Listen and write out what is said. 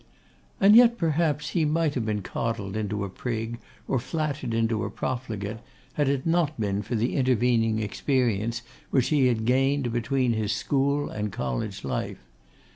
And yet, perhaps, he might have been coddled into a prig, or flattered into a profligate, had it not been for the intervening experience which he had gained between his school and college life.